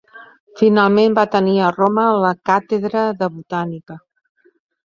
Finalment va tenir a Roma la càtedra de botànica.